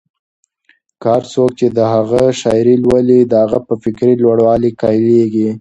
هر څوک چې د هغه شاعري لولي، د هغه په فکري لوړوالي قایلېږي.